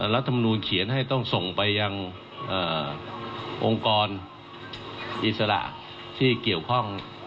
รัฐมนูลเขียนให้ต้องส่งไปยังองค์กรอิสระที่เกี่ยวข้อง